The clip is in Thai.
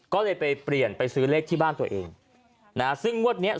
ก็เลยไปเปลี่ยนไปซื้อเลขที่บ้านตัวเองนะฮะซึ่งงวดเนี้ย